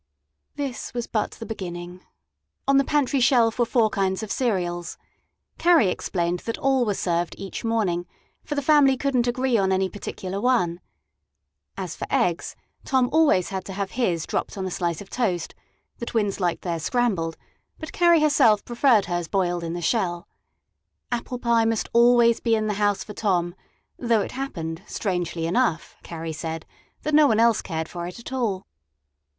This was but the beginning. On the pantry shelf were four kinds of cereals. Carrie explained that all were served each morning, for the family could n't agree on any particular one. As for eggs; Tom always had to have his dropped on a slice of toast; the twins liked theirs scrambled; but Carrie herself preferred hers boiled in the shell. Apple pie must always be in the house for Tom, though it so happened, strangely enough, Carrie said, that no one else cared for it at all.